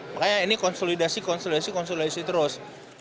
makanya ini konsolidasi konsolidasi konsolidasi terus